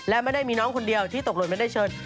และไม่ได้มีน้องคนเดียวที่ตกหล่นไม่ได้เชิญ